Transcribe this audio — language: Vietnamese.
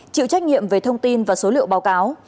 chịu trách nhiệm về thông tin và số liệu báo cáo